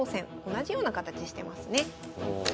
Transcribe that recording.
同じような形してますね。